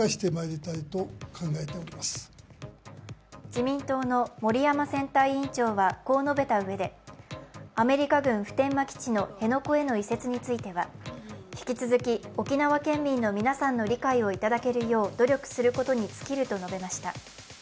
自民党の森山選対委員長はこう述べたうえでアメリカ軍普天間基地の辺野古への移設については引き続き、沖縄県民の皆さんの理解をいただけるよう努力することに尽きると述べました。